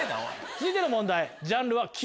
続いての問題。